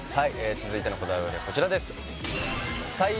続いてのこだわりはこちらです